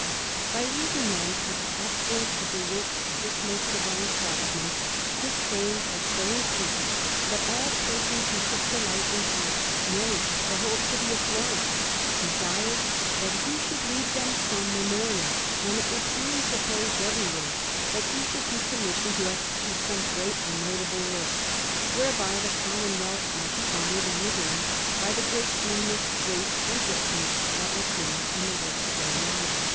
By reason, then, of the excellence of the works of this most divine craftsman, his fame had so increased that all persons who took delight in art nay, the whole city of Florence desired that he should leave them some memorial, and it was being proposed everywhere that he should be commissioned to execute some great and notable work, whereby the commonwealth might be honoured and adorned by the great genius, grace and judgment that were seen in the works of Leonardo.